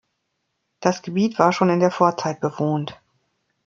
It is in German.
Das Gebiet war schon in der Vorzeit bewohnt.